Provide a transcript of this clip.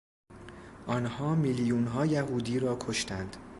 آنها میلیون ها یهودی را کشتند.